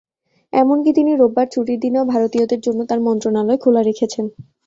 এমনকি তিনি রোববার ছুটির দিনেও ভারতীয়দের জন্য তাঁর মন্ত্রণালয় খোলা রেখেছেন।